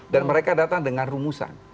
dan mereka datang dengan rumusan